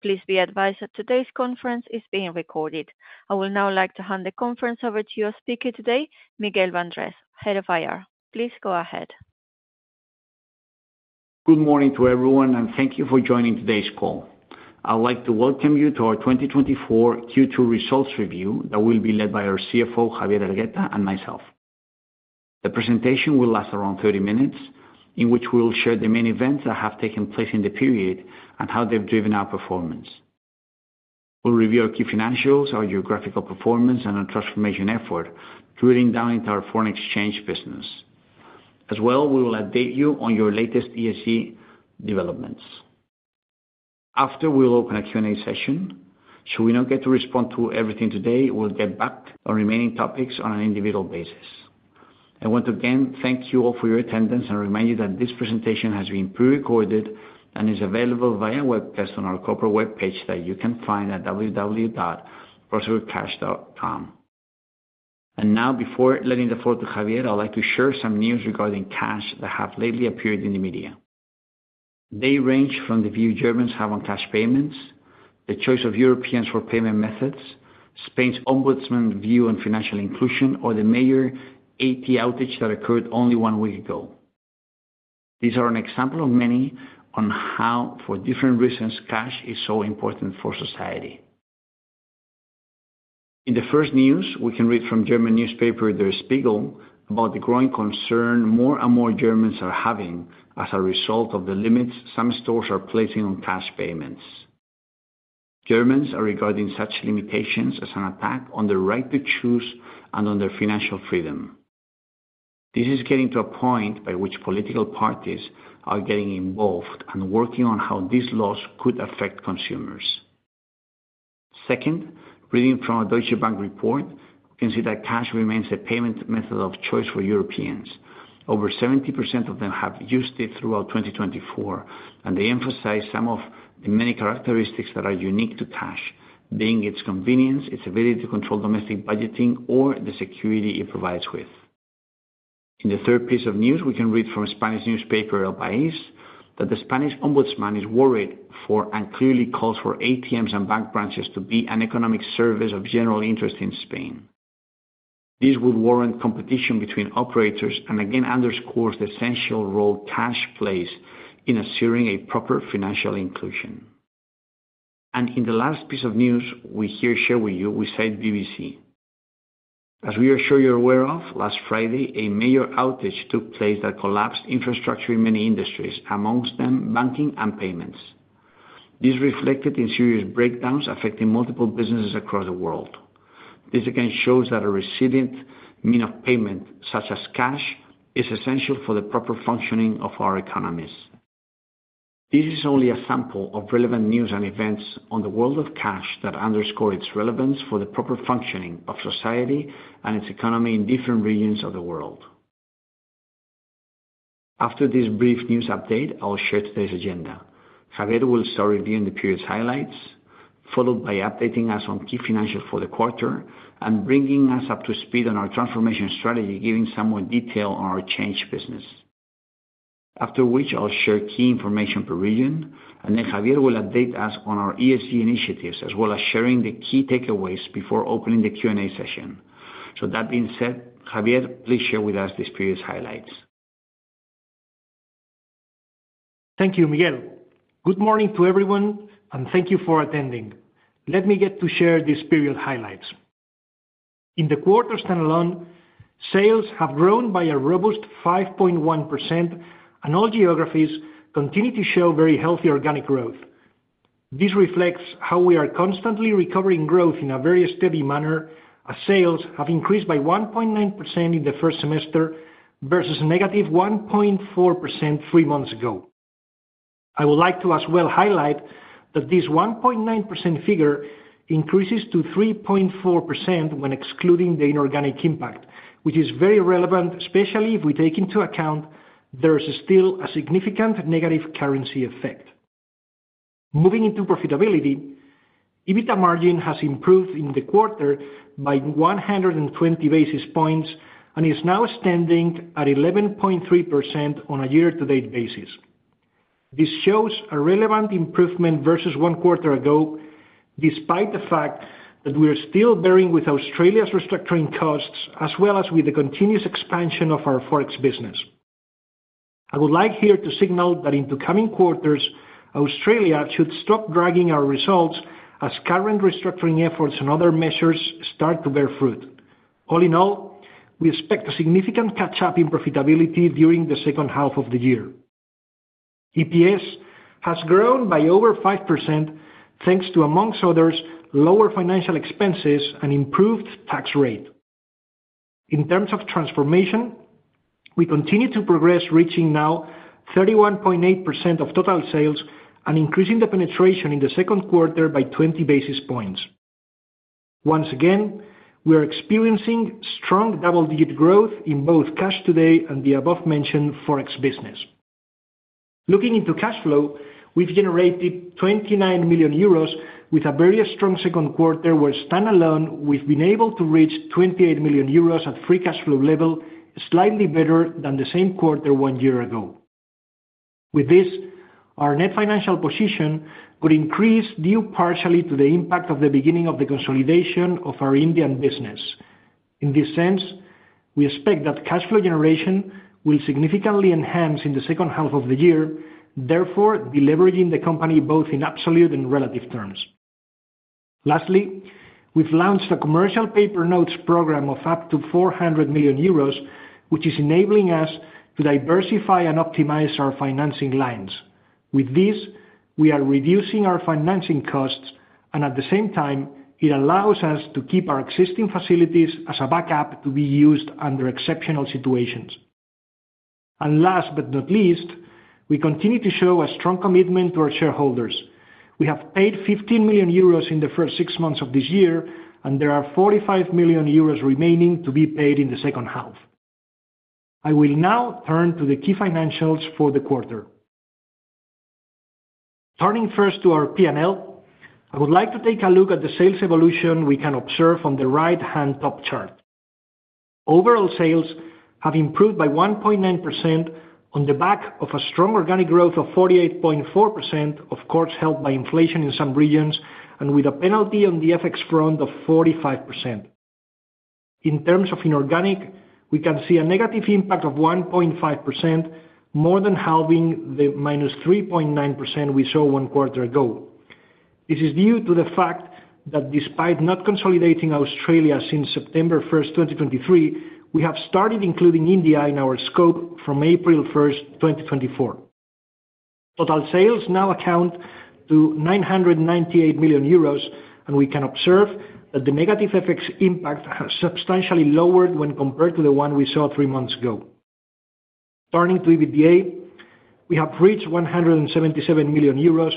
Please be advised that today's conference is being recorded. I would now like to hand the conference over to your speaker today, Miguel Bandrés, Head of IR. Please go ahead. Good morning to everyone, and thank you for joining today's call. I'd like to welcome you to our 2024 Q2 results review that will be led by our CFO, Javier Hergueta, and myself. The presentation will last around 30 minutes, in which we will share the main events that have taken place in the period and how they've driven our performance. We'll review our key financials, our geographical performance, and our transformation effort, drilling down into our foreign exchange business. As well, we will update you on your latest ESG developments. After, we will open a Q&A session. So we don't get to respond to everything today. We'll get back on remaining topics on an individual basis. And once again, thank you all for your attendance, and I remind you that this presentation has been pre-recorded and is available via webcast on our corporate web page that you can find at www.prosegurcash.com. And now, before letting the floor to Javier, I'd like to share some news regarding cash that have lately appeared in the media. They range from the view Germans have on cash payments, the choice of Europeans for payment methods, Spain's Ombudsman view on financial inclusion, or the major IT outage that occurred only one week ago. These are an example of many on how, for different reasons, cash is so important for society. In the first news, we can read from German newspaper Der Spiegel about the growing concern more and more Germans are having as a result of the limits some stores are placing on cash payments. Germans are regarding such limitations as an attack on their right to choose and on their financial freedom. This is getting to a point by which political parties are getting involved and working on how these laws could affect consumers. Second, reading from a Deutsche Bank report, we can see that cash remains the payment method of choice for Europeans. Over 70% of them have used it throughout 2024, and they emphasize some of the many characteristics that are unique to cash, being its convenience, its ability to control domestic budgeting, or the security it provides with. In the third piece of news, we can read from a Spanish newspaper, El País, that the Spanish Ombudsman is worried for and clearly calls for ATMs and bank branches to be an economic service of general interest in Spain. This would warrant competition between operators and again underscores the essential role cash plays in assuring a proper financial inclusion. In the last piece of news we hereby share with you, we cite BBC. As we are sure you're aware of, last Friday, a major outage took place that collapsed infrastructure in many industries, among them banking and payments. This reflected in serious breakdowns affecting multiple businesses across the world. This again shows that a resilient means of payment, such as cash, is essential for the proper functioning of our economies. This is only a sample of relevant news and events on the world of cash that underscore its relevance for the proper functioning of society and its economy in different regions of the world. After this brief news update, I'll share today's agenda. Javier will start reviewing the period's highlights, followed by updating us on key financials for the quarter and bringing us up to speed on our transformation strategy, giving some more detail on our Change business. After which, I'll share key information per region, and then Javier will update us on our ESG initiatives as well as sharing the key takeaways before opening the Q&A session. So that being said, Javier, please share with us this period's highlights. Thank you, Miguel. Good morning to everyone, and thank you for attending. Let me get to share this period's highlights. In the quarter standalone, sales have grown by a robust 5.1%, and all geographies continue to show very healthy organic growth. This reflects how we are constantly recovering growth in a very steady manner, as sales have increased by 1.9% in the first semester versus -1.4% three months ago. I would like to as well highlight that this 1.9% figure increases to 3.4% when excluding the inorganic impact, which is very relevant, especially if we take into account there's still a significant negative currency effect. Moving into profitability, EBITDA margin has improved in the quarter by 120 basis points and is now standing at 11.3% on a year-to-date basis. This shows a relevant improvement versus one quarter ago, despite the fact that we are still bearing with Australia's restructuring costs as well as with the continuous expansion of our Forex business. I would like here to signal that in the coming quarters, Australia should stop dragging our results as current restructuring efforts and other measures start to bear fruit. All in all, we expect a significant catch-up in profitability during the second half of the year. EPS has grown by over 5% thanks to, among others, lower financial expenses and improved tax rate. In terms of transformation, we continue to progress, reaching now 31.8% of total sales and increasing the penetration in the second quarter by 20 basis points. Once again, we are experiencing strong double-digit growth in both Cash Today and the above-mentioned Forex business. Looking into cash flow, we've generated 29 million euros with a very strong second quarter, where standalone, we've been able to reach 28 million euros at free cash flow level, slightly better than the same quarter one year ago. With this, our net financial position could increase due partially to the impact of the beginning of the consolidation of our Indian business. In this sense, we expect that cash flow generation will significantly enhance in the second half of the year, therefore deleveraging the company both in absolute and relative terms. Lastly, we've launched a commercial paper notes program of up to 400 million euros, which is enabling us to diversify and optimize our financing lines. With this, we are reducing our financing costs, and at the same time, it allows us to keep our existing facilities as a backup to be used under exceptional situations. Last but not least, we continue to show a strong commitment to our shareholders. We have paid 15 million euros in the first six months of this year, and there are 45 million euros remaining to be paid in the second half. I will now turn to the key financials for the quarter. Turning first to our P&L, I would like to take a look at the sales evolution we can observe on the right-hand top chart. Overall sales have improved by 1.9% on the back of a strong organic growth of 48.4%, of course helped by inflation in some regions, and with a penalty on the FX front of 45%. In terms of inorganic, we can see a negative impact of 1.5%, more than halving the -3.9% we saw one quarter ago. This is due to the fact that despite not consolidating Australia since September 1st, 2023, we have started including India in our scope from April 1st, 2024. Total sales now account to 998 million euros, and we can observe that the negative FX impact has substantially lowered when compared to the one we saw three months ago. Turning to EBITDA, we have reached 177 million euros,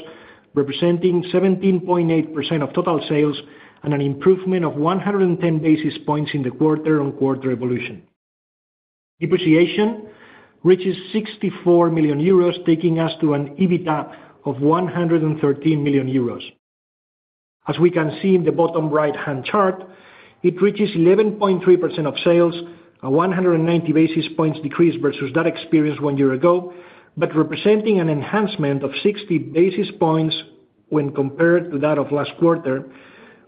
representing 17.8% of total sales and an improvement of 110 basis points in the quarter-on-quarter evolution. Depreciation reaches 64 million euros, taking us to an EBITDA of 113 million euros. As we can see in the bottom right-hand chart, it reaches 11.3% of sales, a 190 basis points decrease versus that experienced one year ago, but representing an enhancement of 60 basis points when compared to that of last quarter,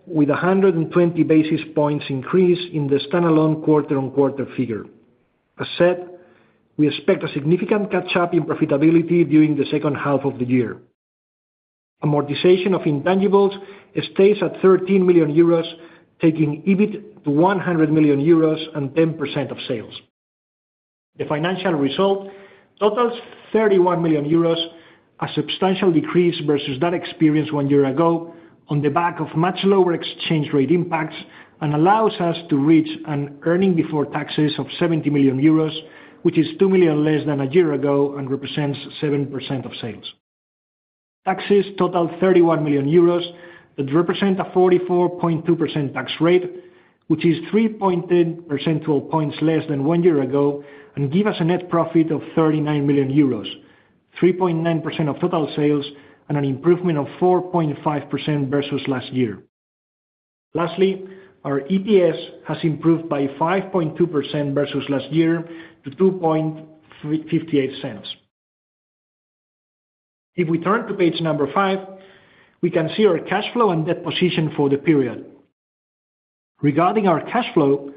with a 120 basis points increase in the standalone quarter-on-quarter figure. As said, we expect a significant catch-up in profitability during the second half of the year. Amortization of intangibles stays at 13 million euros, taking EBIT to 100 million euros and 10% of sales. The financial result totals 31 million euros, a substantial decrease versus that experienced one year ago on the back of much lower exchange rate impacts and allows us to reach an earnings before taxes of 70 million euros, which is 2 million less than a year ago and represents 7% of sales. Taxes total 31 million euros that represent a 44.2% tax rate, which is 3.12% less than one year ago and give us a net profit of 39 million euros, 3.9% of total sales and an improvement of 4.5% versus last year. Lastly, our EPS has improved by 5.2% versus last year to 0.0258. If we turn to page number five, we can see our cash flow and debt position for the period. Regarding our cash flow,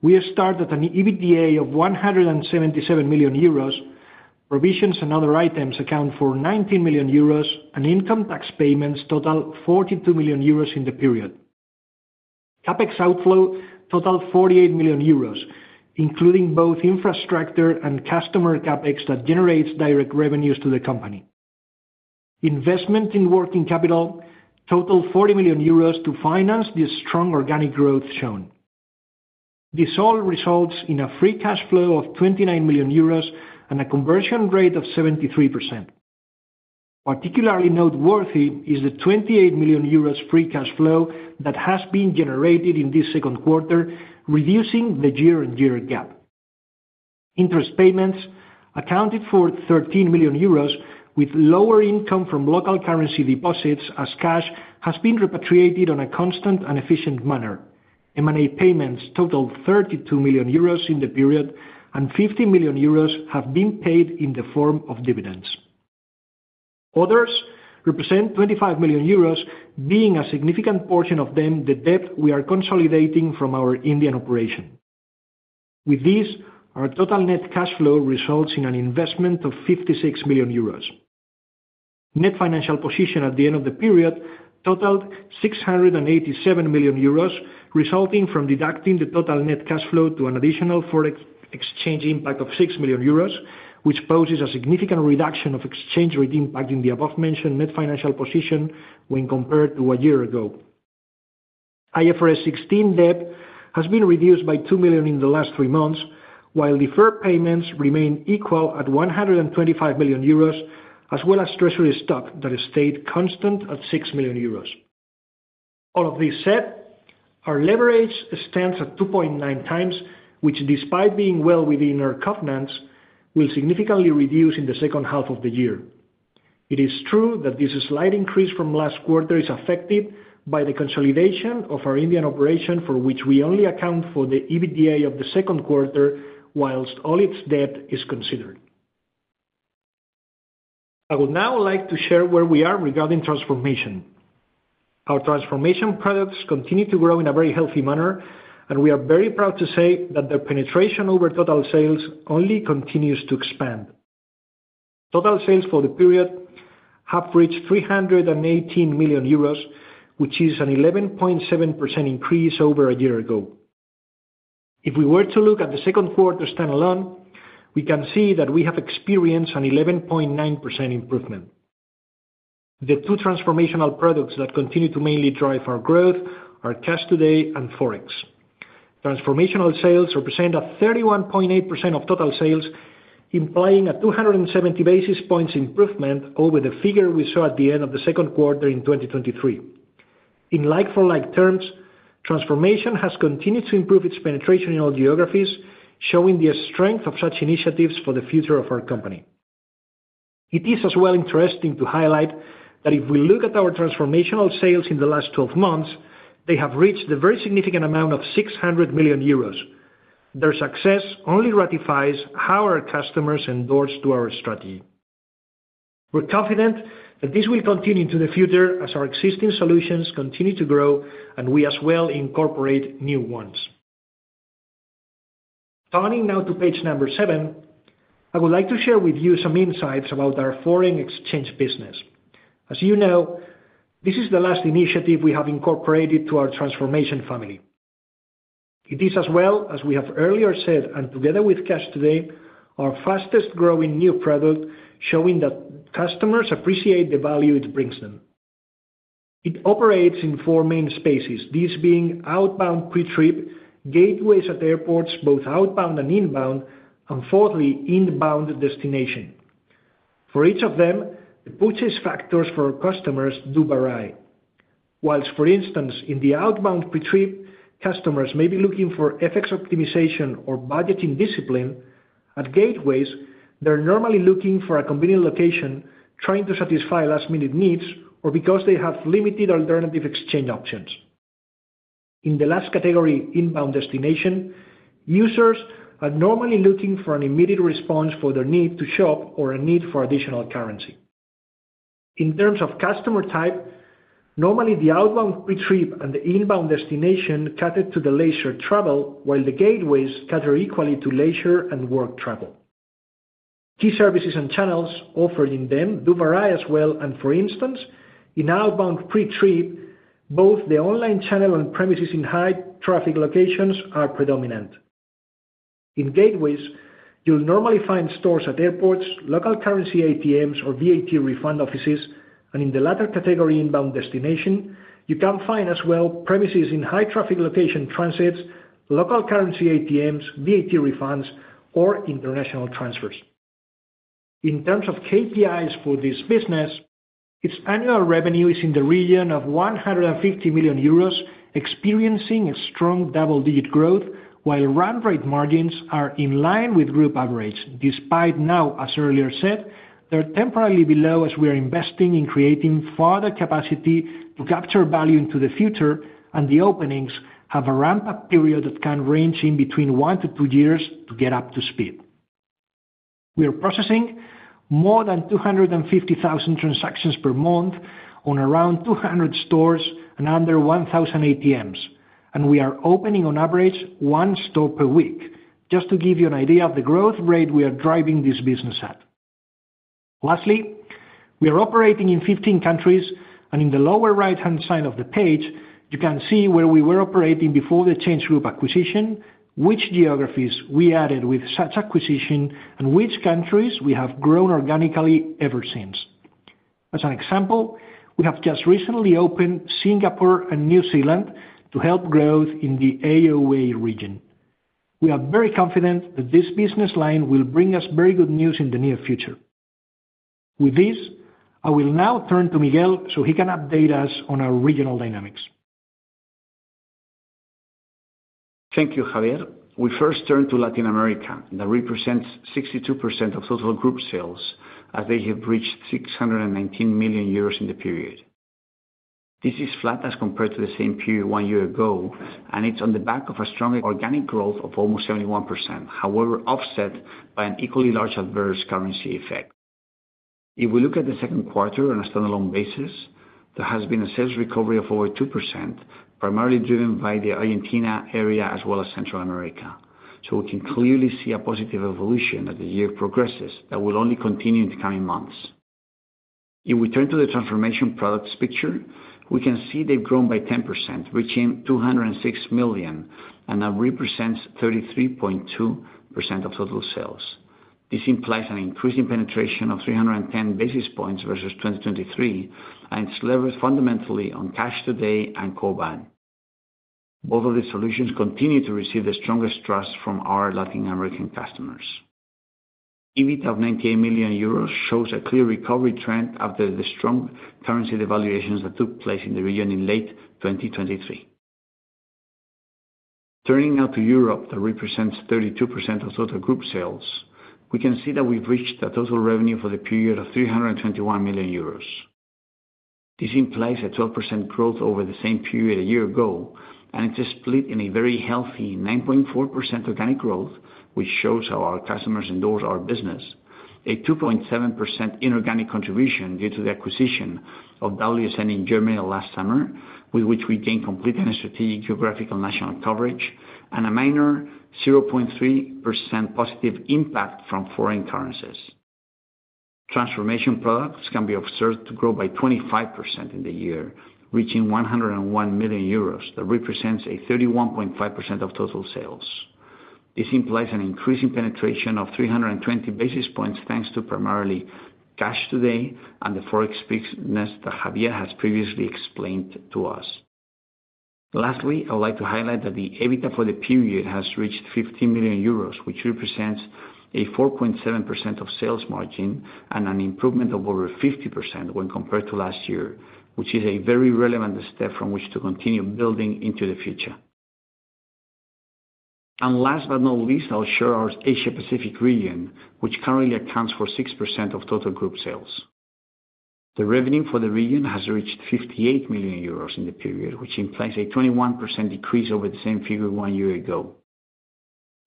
we have started an EBITDA of 177 million euros. Provisions and other items account for 19 million euros, and income tax payments total 42 million euros in the period. CapEx outflow totaled 48 million euros, including both infrastructure and customer CapEx that generates direct revenues to the company. Investment in working capital totaled 40 million euros to finance this strong organic growth shown. This all results in a free cash flow of 29 million euros and a conversion rate of 73%. Particularly noteworthy is the 28 million euros free cash flow that has been generated in this second quarter, reducing the year-on-year gap. Interest payments accounted for 13 million euros, with lower income from local currency deposits as cash has been repatriated in a constant and efficient manner. M&A payments totaled 32 million euros in the period, and 15 million euros have been paid in the form of dividends. Orders represent 25 million euros, being a significant portion of them the debt we are consolidating from our Indian operation. With this, our total net cash flow results in an investment of 56 million euros. Net financial position at the end of the period totaled 687 million euros, resulting from deducting the total net cash flow to an additional forex exchange impact of 6 million euros, which poses a significant reduction of exchange rate impact in the above-mentioned net financial position when compared to a year ago. IFRS 16 debt has been reduced by 2 million in the last three months, while deferred payments remain equal at 125 million euros, as well as treasury stock that stayed constant at 6 million euros. All of this said, our leverage stands at 2.9x, which, despite being well within our covenants, will significantly reduce in the second half of the year. It is true that this slight increase from last quarter is affected by the consolidation of our Indian operation, for which we only account for the EBITDA of the second quarter while all its debt is considered. I would now like to share where we are regarding transformation. Our transformation products continue to grow in a very healthy manner, and we are very proud to say that their penetration over total sales only continues to expand. Total sales for the period have reached 318 million euros, which is an 11.7% increase over a year ago. If we were to look at the second quarter standalone, we can see that we have experienced an 11.9% improvement. The two transformational products that continue to mainly drive our growth are Cash Today and Forex. Transformational sales represent a 31.8% of total sales, implying a 270 basis points improvement over the figure we saw at the end of the second quarter in 2023. In like-for-like terms, transformation has continued to improve its penetration in all geographies, showing the strength of such initiatives for the future of our company. It is as well interesting to highlight that if we look at our transformational sales in the last 12 months, they have reached a very significant amount of 600 million euros. Their success only ratifies how our customers endorse our strategy. We're confident that this will continue into the future as our existing solutions continue to grow and we as well incorporate new ones. Turning now to page seven, I would like to share with you some insights about our Foreign Exchange business. As you know, this is the last initiative we have incorporated to our transformation family. It is as well, as we have earlier said, and together with Cash Today, our fastest-growing new product, showing that customers appreciate the value it brings them. It operates in four main spaces, these being outbound pre-trip, gateways at airports, both outbound and inbound, and fourthly, inbound destination. For each of them, the purchase factors for our customers do vary. While, for instance, in the outbound pre-trip, customers may be looking for FX optimization or budgeting discipline, at gateways, they're normally looking for a convenient location trying to satisfy last-minute needs or because they have limited alternative exchange options. In the last category, inbound destination, users are normally looking for an immediate response for their need to shop or a need for additional currency. In terms of customer type, normally the outbound pre-trip and the inbound destination cater to the leisure travel, while the gateways cater equally to leisure and work travel. Key services and channels offered in them do vary as well, and for instance, in outbound pre-trip, both the online channel and premises in high-traffic locations are predominant. In gateways, you'll normally find stores at airports, local currency ATMs or VAT refund offices, and in the latter category, inbound destination, you can find as well premises in high-traffic location transits, local currency ATMs, VAT refunds, or international transfers. In terms of KPIs for this business, its annual revenue is in the region of 150 million euros, experiencing a strong double-digit growth, while run rate margins are in line with group averages. Despite now, as earlier said, they're temporarily below as we are investing in creating further capacity to capture value into the future, and the openings have a ramp-up period that can range in between one to two years to get up to speed. We are processing more than 250,000 transactions per month on around 200 stores and under 1,000 ATMs, and we are opening on average one store per week, just to give you an idea of the growth rate we are driving this business at. Lastly, we are operating in 15 countries, and in the lower right-hand side of the page, you can see where we were operating before the ChangeGroup acquisition, which geographies we added with such acquisition, and which countries we have grown organically ever since. As an example, we have just recently opened Singapore and New Zealand to help growth in the AOA region. We are very confident that this business line will bring us very good news in the near future. With this, I will now turn to Miguel so he can update us on our regional dynamics. Thank you, Javier. We first turn to Latin America, that represents 62% of total group sales, as they have reached 619 million euros in the period. This is flat as compared to the same period one year ago, and it's on the back of a strong organic growth of almost 71%, however offset by an equally large adverse currency effect. If we look at the second quarter on a standalone basis, there has been a sales recovery of over 2%, primarily driven by the Argentina area as well as Central America. So we can clearly see a positive evolution as the year progresses that will only continue in the coming months. If we turn to the transformation products picture, we can see they've grown by 10%, reaching 206 million, and that represents 33.2% of total sales. This implies an increase in penetration of 310 basis points versus 2023, and it's levered fundamentally on Cash Today and Corban. Both of these solutions continue to receive the strongest trust from our Latin American customers. EBITDA of 98 million euros shows a clear recovery trend after the strong currency devaluations that took place in the region in late 2023. Turning now to Europe, that represents 32% of total group sales, we can see that we've reached a total revenue for the period of 321 million euros. This implies a 12% growth over the same period a year ago, and it's split in a very healthy 9.4% organic growth, which shows how our customers endorse our business, a 2.7% inorganic contribution due to the acquisition of WSN in Germany last summer, with which we gained complete and strategic geographical national coverage, and a minor 0.3% positive impact from foreign currencies. Transformation products can be observed to grow by 25% in the year, reaching 101 million euros, that represents a 31.5% of total sales. This implies an increase in penetration of 320 basis points thanks to primarily Cash Today and the Forex weakness that Javier has previously explained to us. Lastly, I would like to highlight that the EBITDA for the period has reached 15 million euros, which represents a 4.7% of sales margin and an improvement of over 50% when compared to last year, which is a very relevant step from which to continue building into the future. And last but not least, I'll share our Asia-Pacific region, which currently accounts for 6% of total group sales. The revenue for the region has reached 58 million euros in the period, which implies a 21% decrease over the same figure one year ago.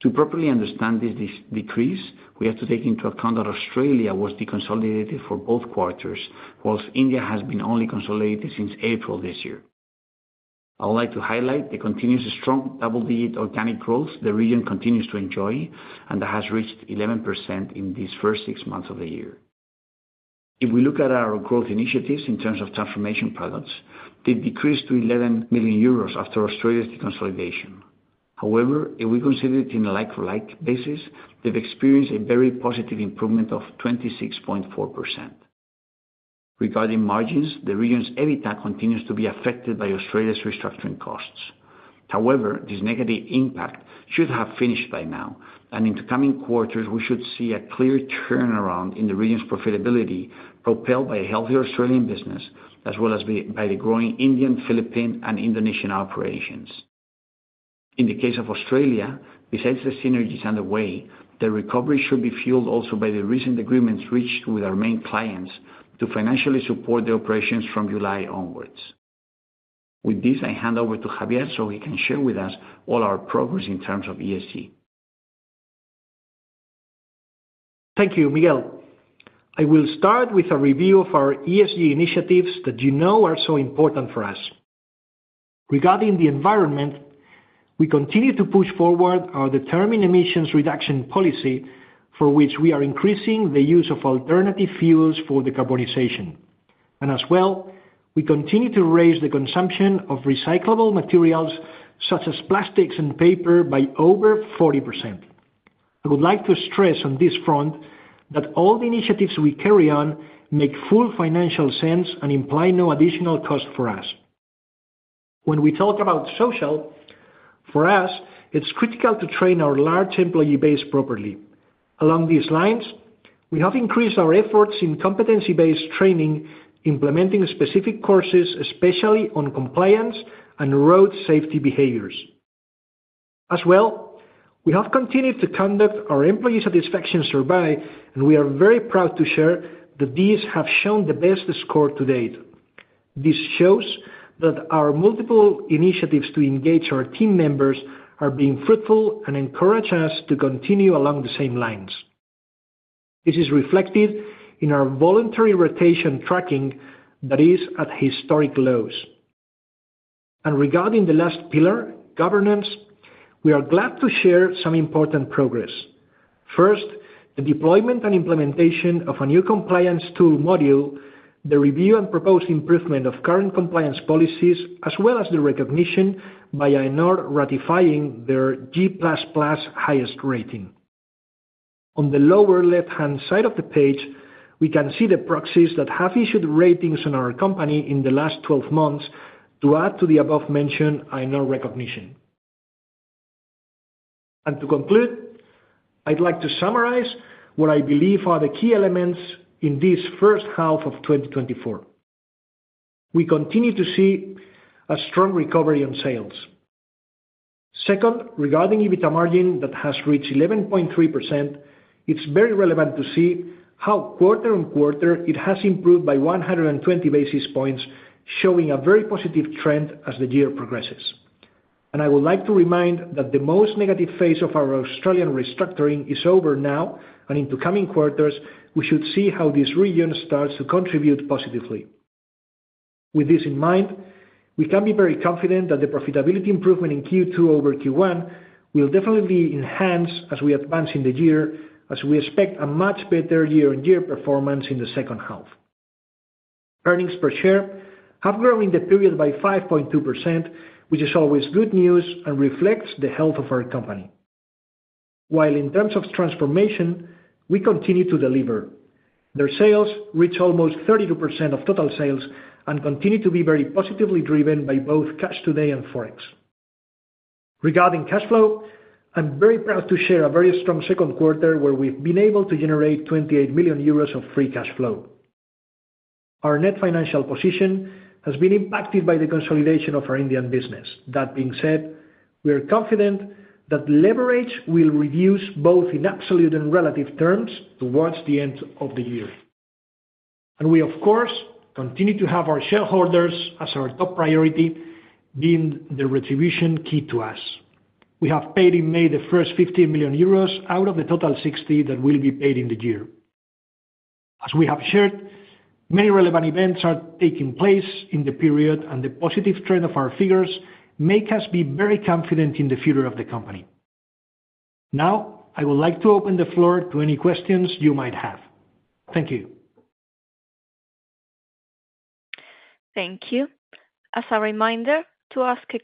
To properly understand this decrease, we have to take into account that Australia was deconsolidated for both quarters, whilst India has been only consolidated since April this year. I would like to highlight the continuous strong double-digit organic growth the region continues to enjoy, and that has reached 11% in these first six months of the year. If we look at our growth initiatives in terms of transformation products, they decreased to 11 million euros after Australia's deconsolidation. However, if we consider it in a like-for-like basis, they've experienced a very positive improvement of 26.4%. Regarding margins, the region's EBITDA continues to be affected by Australia's restructuring costs. However, this negative impact should have finished by now, and in the coming quarters, we should see a clear turnaround in the region's profitability propelled by a healthier Australian business, as well as by the growing Indian, Philippines, and Indonesian operations. In the case of Australia, besides the synergies underway, the recovery should be fueled also by the recent agreements reached with our main clients to financially support the operations from July onwards. With this, I hand over to Javier so he can share with us all our progress in terms of ESG. Thank you, Miguel. I will start with a review of our ESG initiatives that you know are so important for us. Regarding the environment, we continue to push forward our determined emissions reduction policy, for which we are increasing the use of alternative fuels for decarbonization. And as well, we continue to raise the consumption of recyclable materials such as plastics and paper by over 40%. I would like to stress on this front that all the initiatives we carry on make full financial sense and imply no additional cost for us. When we talk about social, for us, it's critical to train our large employee base properly. Along these lines, we have increased our efforts in competency-based training, implementing specific courses, especially on compliance and road safety behaviors. As well, we have continued to conduct our employee satisfaction survey, and we are very proud to share that these have shown the best score to date. This shows that our multiple initiatives to engage our team members are being fruitful and encourage us to continue along the same lines. This is reflected in our voluntary rotation tracking that is at historic lows. And regarding the last pillar, governance, we are glad to share some important progress. First, the deployment and implementation of a new compliance tool module, the review and proposed improvement of current compliance policies, as well as the recognition by AENOR ratifying their G++ highest rating. On the lower left-hand side of the page, we can see the proxies that have issued ratings on our company in the last 12 months to add to the above-mentioned AENOR recognition. And to conclude, I'd like to summarize what I believe are the key elements in this first half of 2024. We continue to see a strong recovery on sales. Second, regarding EBITDA margin that has reached 11.3%, it's very relevant to see how quarter-on-quarter it has improved by 120 basis points, showing a very positive trend as the year progresses. And I would like to remind that the most negative phase of our Australian restructuring is over now, and in the coming quarters, we should see how this region starts to contribute positively. With this in mind, we can be very confident that the profitability improvement in Q2 over Q1 will definitely enhance as we advance in the year, as we expect a much better year-on-year performance in the second half. Earnings per share have grown in the period by 5.2%, which is always good news and reflects the health of our company. While in terms of transformation, we continue to deliver. Their sales reach almost 32% of total sales and continue to be very positively driven by both Cash Today and Forex. Regarding cash flow, I'm very proud to share a very strong second quarter where we've been able to generate 28 million euros of free cash flow. Our net financial position has been impacted by the consolidation of our Indian business. That being said, we are confident that leverage will reduce both in absolute and relative terms towards the end of the year. We, of course, continue to have our shareholders as our top priority, being the remuneration key to us. We have paid in May the first 15 million euros out of the total 60 million that will be paid in the year. As we have shared, many relevant events are taking place in the period, and the positive trend of our figures makes us be very confident in the future of the company. Now, I would like to open the floor to any questions you might have. Thank you. Thank you. As a reminder, to ask a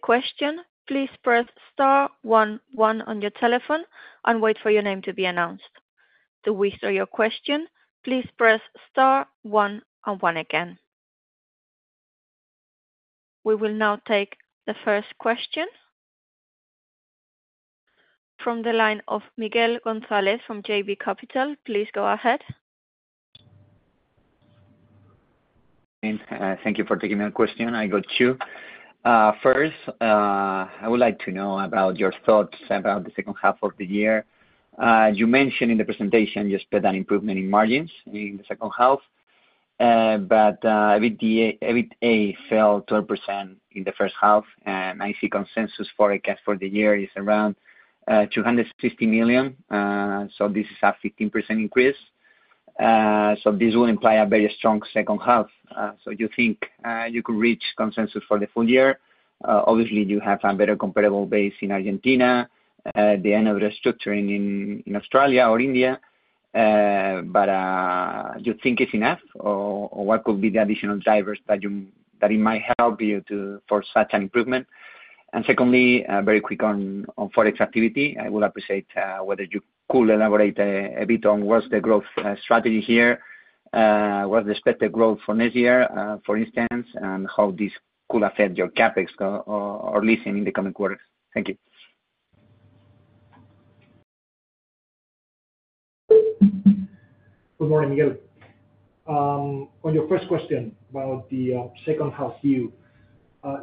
question, please press star one one on your telephone and wait for your name to be announced. To withdraw your question, please press star one one again. We will now take the first question from the line of Miguel González from JB Capital. Please go ahead. Thank you for taking my question. I got you. First, I would like to know about your thoughts about the second half of the year. You mentioned in the presentation you expect an improvement in margins in the second half, but EBITDA fell 12% in the first half, and I see consensus forecast for the year is around 260 million. So this is a 15% increase. So this will imply a very strong second half. So you think you could reach consensus for the full year? Obviously, you have a better comparable base in Argentina, the end of restructuring in Australia or India, but do you think it's enough, or what could be the additional drivers that it might help you for such an improvement? And secondly, very quick on Forex activity. I would appreciate whether you could elaborate a bit on what's the growth strategy here, what's the expected growth for next year, for instance, and how this could affect your CapEx or leasing in the coming quarters? Thank you. Good morning, Miguel. On your first question about the second half view,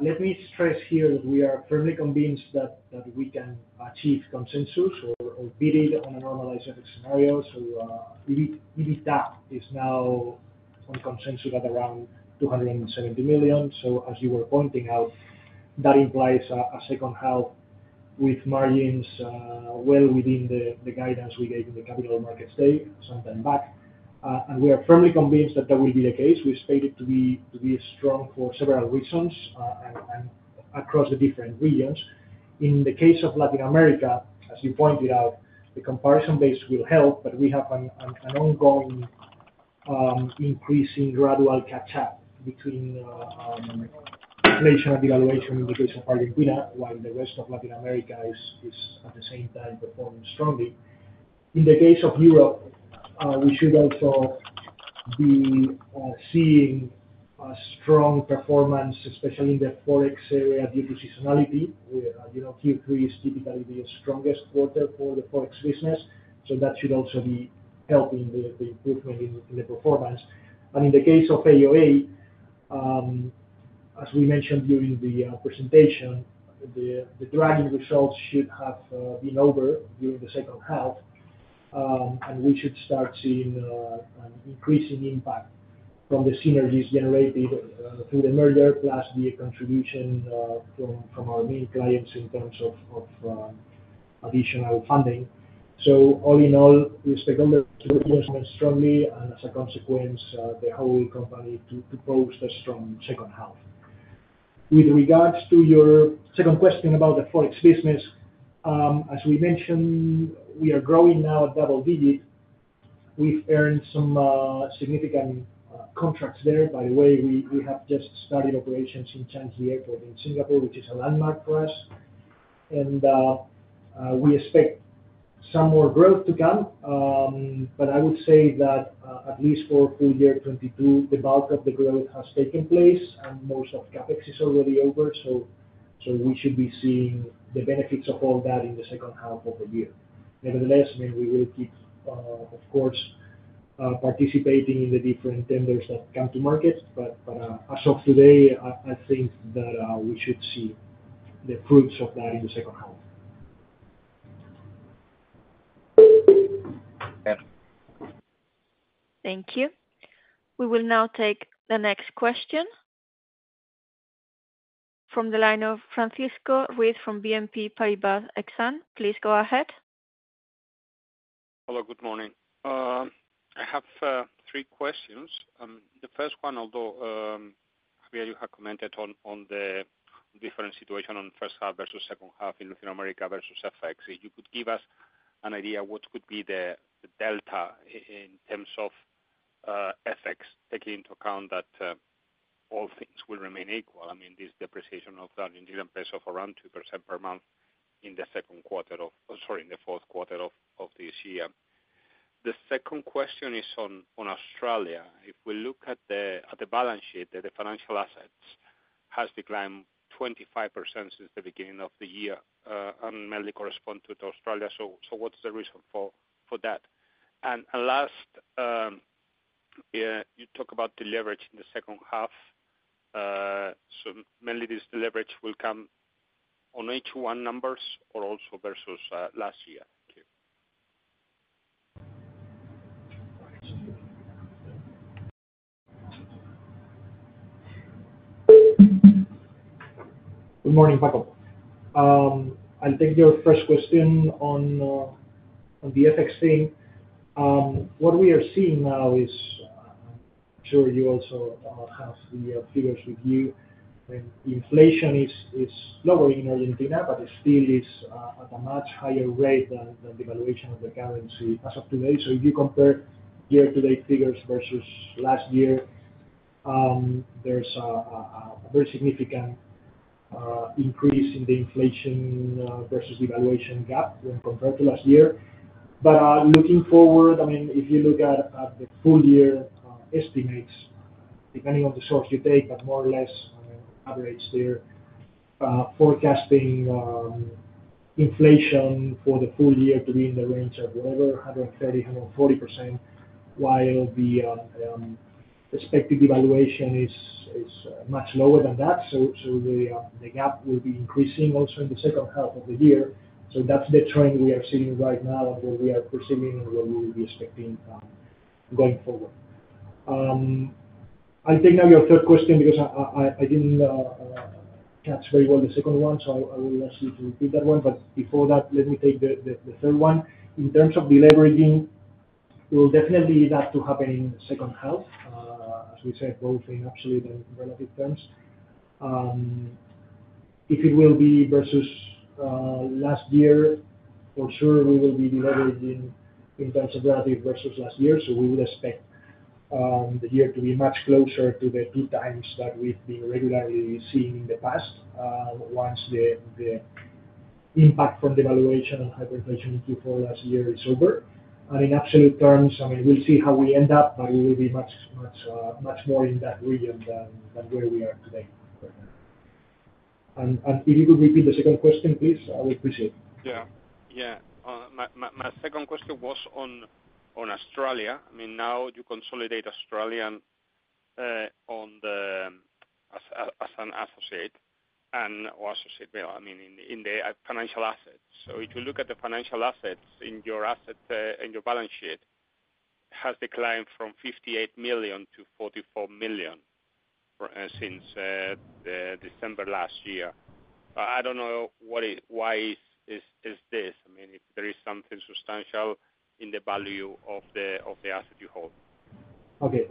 let me stress here that we are firmly convinced that we can achieve consensus or beat it on a normalized scenario. So EBITDA is now on consensus at around 270 million. So as you were pointing out, that implies a second half with margins well within the guidance we gave in the capital markets day some time back. And we are firmly convinced that that will be the case. We expect it to be strong for several reasons across the different regions. In the case of Latin America, as you pointed out, the comparison base will help, but we have an ongoing increasing gradual catch-up between inflation and devaluation in the case of Argentina, while the rest of Latin America is at the same time performing strongly. In the case of Europe, we should also be seeing a strong performance, especially in the Forex area due to seasonality. Q3 is typically the strongest quarter for the Forex business, so that should also be helping the improvement in the performance. In the case of AOA, as we mentioned during the presentation, the dragging results should have been over during the second half, and we should start seeing an increasing impact from the synergies generated through the merger plus the contribution from our main clients in terms of additional funding. So all in all, we expect all the regions to perform strongly, and as a consequence, the whole company to post a strong second half. With regards to your second question about the Forex business, as we mentioned, we are growing now at double-digit. We've earned some significant contracts there. By the way, we have just started operations in Changi Airport in Singapore, which is a landmark for us. And we expect some more growth to come, but I would say that at least for full year 2022, the bulk of the growth has taken place, and most of CapEx is already over, so we should be seeing the benefits of all that in the second half of the year. Nevertheless, I mean, we will keep, of course, participating in the different tenders that come to market, but as of today, I think that we should see the fruits of that in the second half. Thank you. We will now take the next question from the line of Francisco Ruiz from BNP Paribas Exane. Please go ahead. Hello, good morning. I have three questions. The first one, although Javier, you have commented on the different situation on first half versus second half in Latin America versus FX, you could give us an idea what could be the delta in terms of FX, taking into account that all things will remain equal. I mean, this depreciation of the Argentine peso of around 2% per month in the second quarter of, sorry, in the fourth quarter of this year. The second question is on Australia. If we look at the balance sheet, the financial assets have declined 25% since the beginning of the year and mainly correspond to Australia. So what's the reason for that? And last, you talk about the leverage in the second half. So mainly, this leverage will come on H1 numbers or also versus last year? Thank you. Good morning, Francisco. I'll take your first question on the FX theme. What we are seeing now is, I'm sure you also have the figures with you. Inflation is lowering in Argentina, but it still is at a much higher rate than the valuation of the currency as of today. So if you compare year-to-date figures versus last year, there's a very significant increase in the inflation versus devaluation gap when compared to last year. But looking forward, I mean, if you look at the full year estimates, depending on the source you take, but more or less average there, forecasting inflation for the full year to be in the range of whatever, 130%-140%, while the expected devaluation is much lower than that. So the gap will be increasing also in the second half of the year. So that's the trend we are seeing right now and what we are perceiving and what we will be expecting going forward. I'll take now your third question because I didn't catch very well the second one, so I will ask you to repeat that one. But before that, let me take the third one. In terms of the leveraging, it will definitely have to happen in the second half, as we said, both in absolute and relative terms. If it will be versus last year, for sure, we will be delivering in terms of relative versus last year. So we would expect the year to be much closer to the two times that we've been regularly seeing in the past once the impact from devaluation and hyperinflation in Q4 last year is over. And in absolute terms, I mean, we'll see how we end up, but we will be much more in that region than where we are today. And if you could repeat the second question, please, I will proceed. Yeah. Yeah. My second question was on Australia. I mean, now you consolidate Australia as an associate or associate, I mean, in the financial assets. So if you look at the financial assets in your balance sheet, it has declined from 58 million to 44 million since December last year. I don't know why this is. I mean, if there is something substantial in the value of the asset you hold. Okay.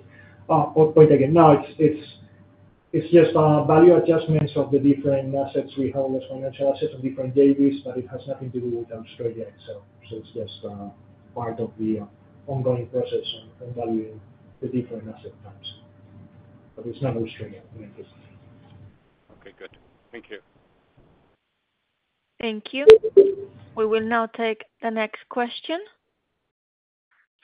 I'll point again. No, it's just value adjustments of the different assets we hold as financial assets on different days, but it has nothing to do with Australia itself. So it's just part of the ongoing process on valuing the different asset types. But it's not Australia. Okay. Good. Thank you. Thank you. We will now take the next question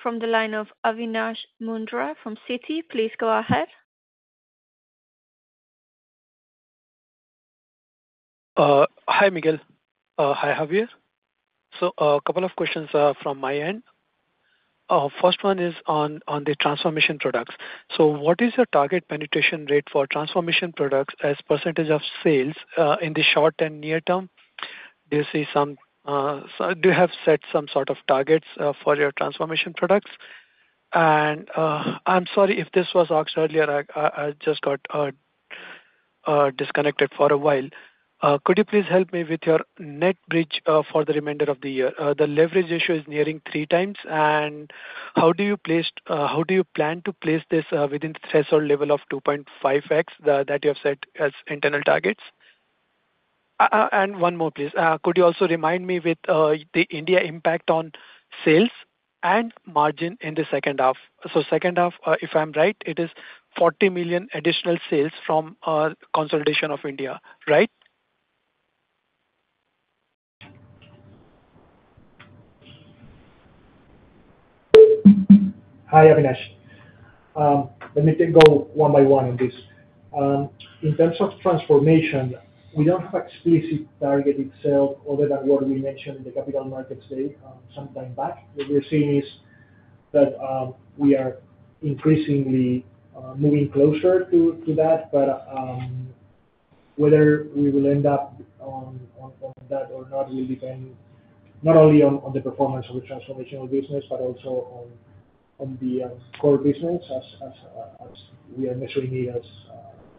from the line of Avinash Mundhra from Citi. Please go ahead. Hi, Miguel. Hi, Javier. So a couple of questions from my end. First one is on the transformation products. So what is your target penetration rate for transformation products as percentage of sales in the short and near term? Do you see some do you have set some sort of targets for your transformation products? And I'm sorry if this was asked earlier. I just got disconnected for a while. Could you please help me with your net bridge for the remainder of the year? The leverage issue is nearing 3x, and how do you plan to place this within the threshold level of 2.5x that you have set as internal targets? And one more, please. Could you also remind me with the India impact on sales and margin in the second half? So second half, if I'm right, it is 40 million additional sales from consolidation of India, right? Hi, Avinash. Let me go one by one on this. In terms of transformation, we don't have explicit target itself other than what we mentioned in the capital markets day some time back. What we're seeing is that we are increasingly moving closer to that, but whether we will end up on that or not will depend not only on the performance of the transformational business, but also on the core business as we are measuring it as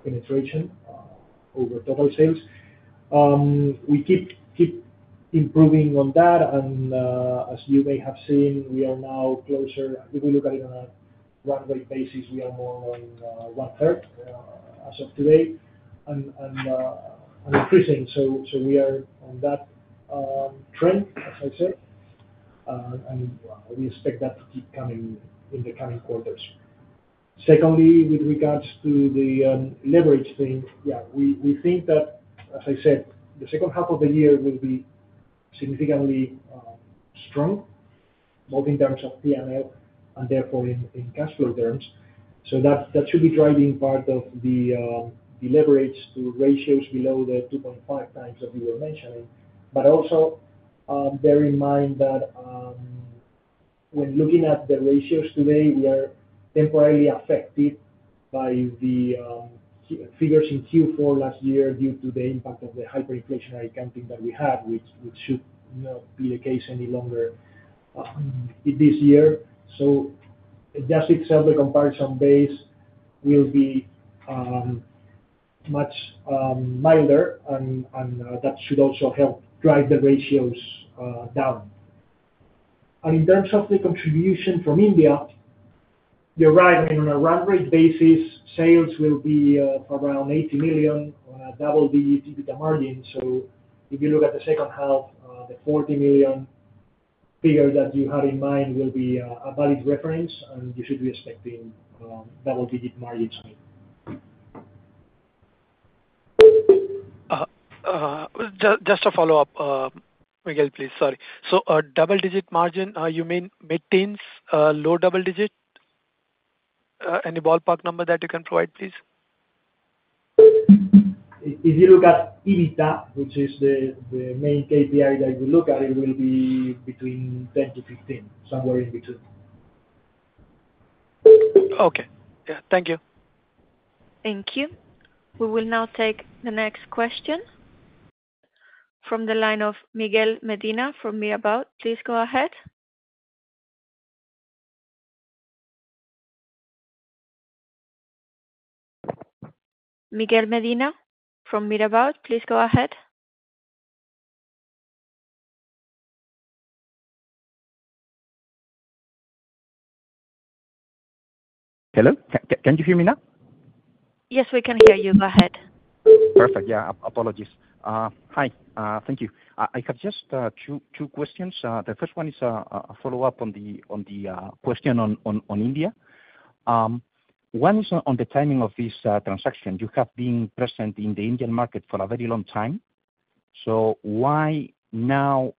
penetration over total sales. We keep improving on that, and as you may have seen, we are now closer if we look at it on a one-way basis; we are more on one-third as of today and increasing. So we are on that trend, as I said, and we expect that to keep coming in the coming quarters. Secondly, with regards to the leverage thing, yeah, we think that, as I said, the second half of the year will be significantly strong, both in terms of P&L and therefore in cash flow terms. So that should be driving part of the leverage to ratios below the 2.5x that you were mentioning. But also bear in mind that when looking at the ratios today, we are temporarily affected by the figures in Q4 last year due to the impact of the hyperinflationary accounting that we had, which should not be the case any longer this year. So just itself, the comparison base will be much milder, and that should also help drive the ratios down. And in terms of the contribution from India, you're right. I mean, on a run-rate basis, sales will be of around 80 million on a double-digit margin. So if you look at the second half, the 40 million figure that you had in mind will be a valid reference, and you should be expecting double-digit margins here. Just to follow up, Miguel, please. Sorry. So double-digit margin, you mean mid-teens, low double-digit? Any ballpark number that you can provide, please? If you look at EBITDA, which is the main KPI that you look at, it will be between 10%-15%, somewhere in between. Okay. Yeah. Thank you. Thank you. We will now take the next question from the line of Miguel Medina from Mirabaud. Please go ahead. Miguel Medina from Mirabaud, please go ahead. Hello? Can you hear me now? Yes, we can hear you. Go ahead. Perfect. Yeah. Apologies. Hi. Thank you. I have just two questions. The first one is a follow-up on the question on India. One is on the timing of this transaction. You have been present in the Indian market for a very long time. So why now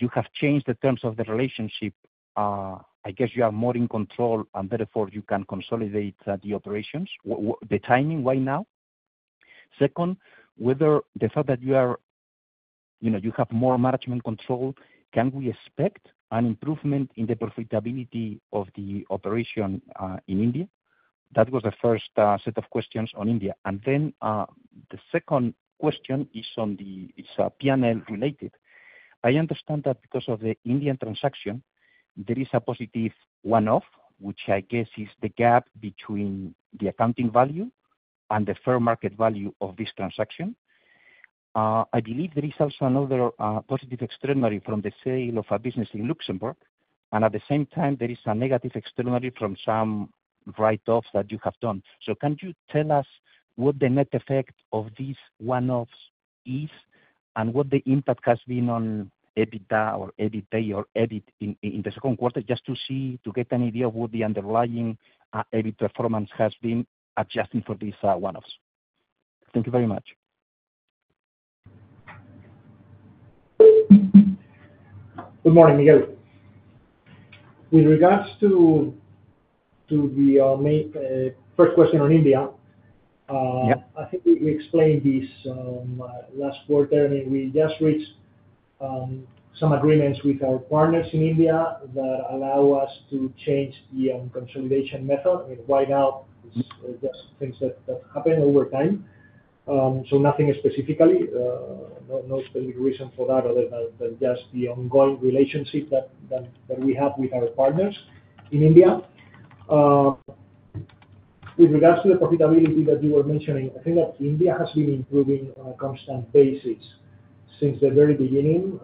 you have changed the terms of the relationship? I guess you are more in control, and therefore you can consolidate the operations. The timing, why now? Second, whether the fact that you have more management control, can we expect an improvement in the profitability of the operation in India? That was the first set of questions on India. And then the second question is on the P&L related. I understand that because of the Indian transaction, there is a positive one-off, which I guess is the gap between the accounting value and the fair market value of this transaction. I believe there is also another positive extraordinary from the sale of a business in Luxembourg, and at the same time, there is a negative extraordinary from some write-offs that you have done. So can you tell us what the net effect of these one-offs is and what the impact has been on EBITDA or EBITDA or EBIT in the second quarter? Just to see, to get an idea of what the underlying EBIT performance has been adjusting for these one-offs. Thank you very much. Good morning, Miguel. With regards to the first question on India, I think we explained this last quarter. I mean, we just reached some agreements with our partners in India that allow us to change the consolidation method. I mean, right now, it's just things that happen over time. So nothing specifically, no specific reason for that other than just the ongoing relationship that we have with our partners in India. With regards to the profitability that you were mentioning, I think that India has been improving on a constant basis since the very beginning.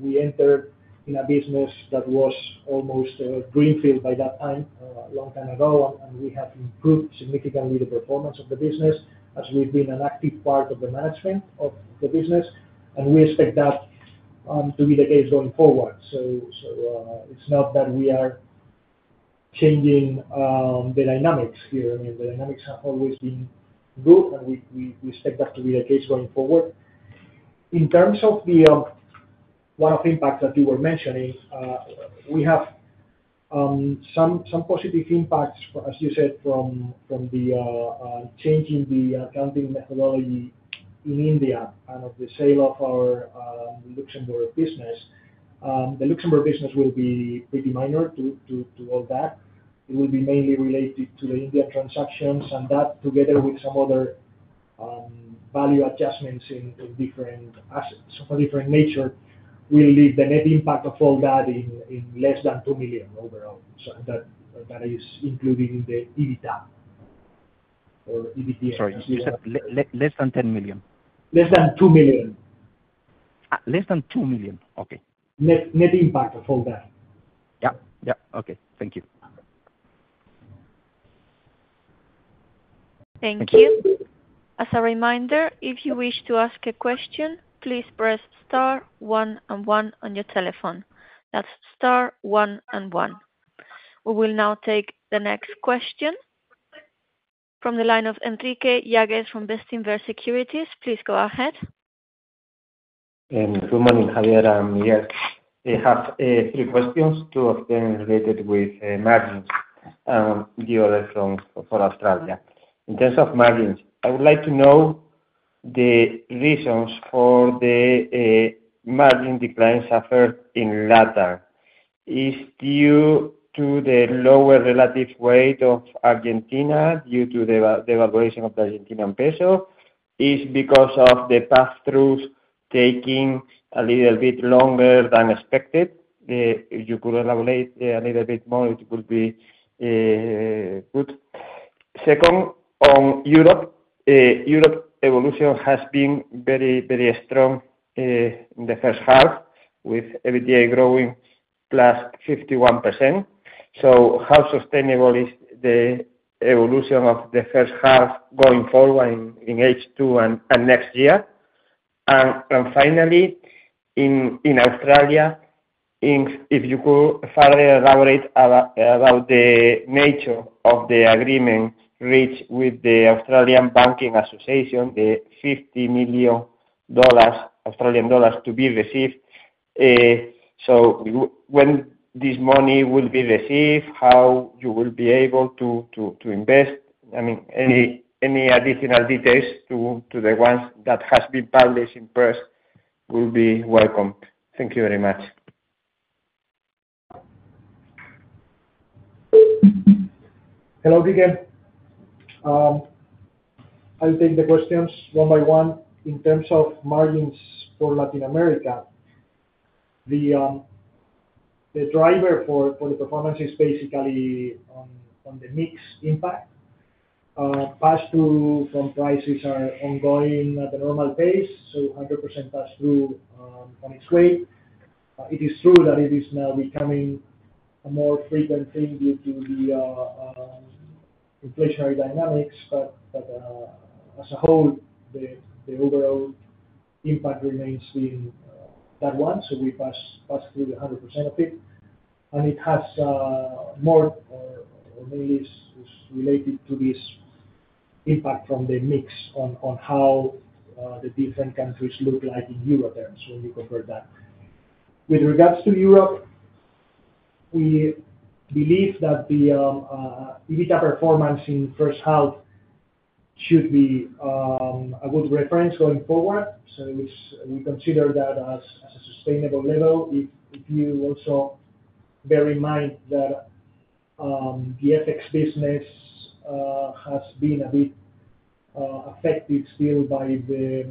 We entered in a business that was almost a greenfield by that time, a long time ago, and we have improved significantly the performance of the business as we've been an active part of the management of the business, and we expect that to be the case going forward. So it's not that we are changing the dynamics here. I mean, the dynamics have always been good, and we expect that to be the case going forward. In terms of the one-off impact that you were mentioning, we have some positive impacts, as you said, from changing the accounting methodology in India and of the sale of our Luxembourg business. The Luxembourg business will be pretty minor to all that. It will be mainly related to the Indian transactions, and that together with some other value adjustments in different assets of a different nature will leave the net impact of all that in less than 2 million overall. So that is included in the EBITDA or EBITDA. Sorry. You said less than 10 million? Less than 2 million. Less than 2 million. Okay. Net impact of all that. Yeah. Yeah. Okay. Thank you. Thank you. As a reminder, if you wish to ask a question, please press star one and one on your telephone. That's star one and one. We will now take the next question from the line of Enrique Yáguez from Bestinver Securities. Please go ahead. Good morning, Javier. Miguel. I have three questions, two of them related with margins and the other from Australia. In terms of margins, I would like to know the reasons for the margin decline suffered in LatAm. Is it due to the lower relative weight of Argentina due to the devaluation of the Argentine peso? Is it because of the pass-throughs taking a little bit longer than expected? If you could elaborate a little bit more, it would be good. Second, on Europe, Europe's evolution has been very, very strong in the first half with EBITDA growing +51%. So how sustainable is the evolution of the first half going forward in H2 and next year? And finally, in Australia, if you could further elaborate about the nature of the agreement reached with the Australian Banking Association, the 50 million dollars to be received. So when this money will be received, how you will be able to invest? I mean, any additional details to the ones that have been published in press will be welcome. Thank you very much. Hello, Miguel. I'll take the questions one by one. In terms of margins for Latin America, the driver for the performance is basically on the mixed impact. Pass-through from prices are ongoing at a normal pace, so 100% pass-through on its way. It is true that it is now becoming a more frequent thing due to the inflationary dynamics, but as a whole, the overall impact remains being that one. So we pass-through the 100% of it. And it has more or maybe it's related to this impact from the mix on how the different countries look like in Euro terms when you compare that. With regards to Europe, we believe that the EBITDA performance in first half should be a good reference going forward. We consider that as a sustainable level if you also bear in mind that the FX business has been a bit affected still by the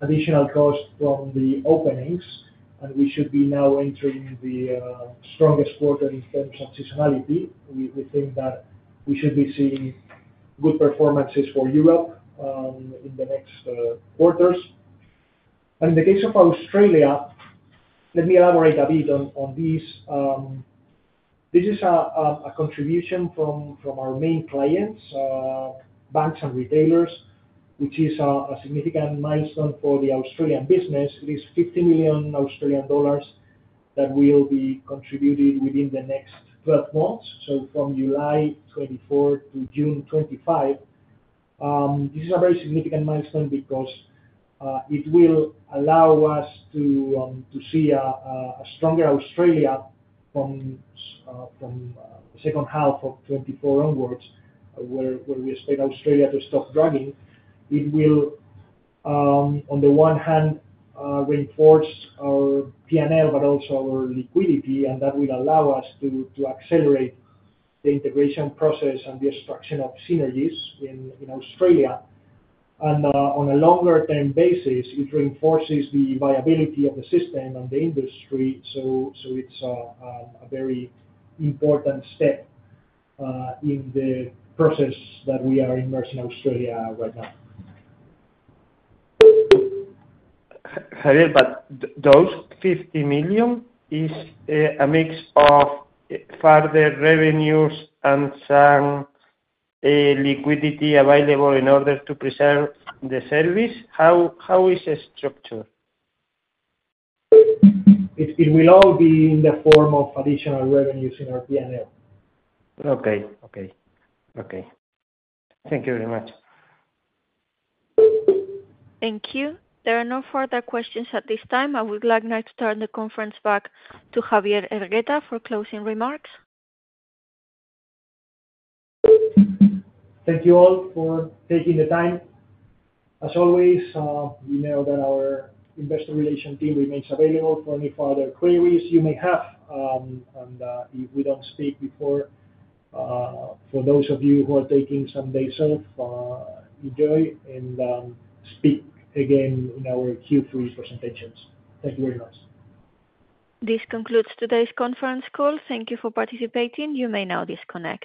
additional cost from the openings, and we should be now entering the strongest quarter in terms of seasonality. We think that we should be seeing good performances for Europe in the next quarters. In the case of Australia, let me elaborate a bit on this. This is a contribution from our main clients, banks and retailers, which is a significant milestone for the Australian business. It is EUR 50 million that will be contributed within the next 12 months, so from July 2024 to June 2025. This is a very significant milestone because it will allow us to see a stronger Australia from the second half of 2024 onwards, where we expect Australia to stop dragging. It will, on the one hand, reinforce our P&L, but also our liquidity, and that will allow us to accelerate the integration process and the extraction of synergies in Australia. On a longer-term basis, it reinforces the viability of the system and the industry. It's a very important step in the process that we are immersed in Australia right now. Javier, but those 50 million is a mix of further revenues and some liquidity available in order to preserve the service. How is it structured? It will all be in the form of additional revenues in our P&L. Okay. Okay. Okay. Thank you very much. Thank you. There are no further questions at this time. I would like now to turn the conference back to Javier Hergueta for closing remarks. Thank you all for taking the time. As always, we know that our investor relation team remains available for any further queries you may have. And if we don't speak before, for those of you who are taking some days off, enjoy and speak again in our Q3 presentations. Thank you very much. This concludes today's conference call. Thank you for participating. You may now disconnect.